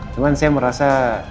cuman saya merasa